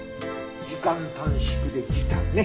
時間短縮で「時短」ね。